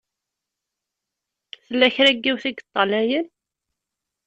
Tella kra n yiwet i yeṭṭalayen.